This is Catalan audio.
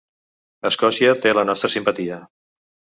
Escòcia té la nostra simpatia